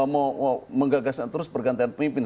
mau menggagaskan terus pergantian pemimpin